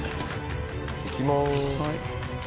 行きます。